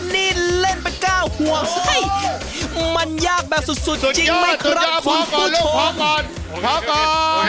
นี่เล่นไปก้าวห่วงมันยากแบบสุดจริงไหมครับคุณผู้ชม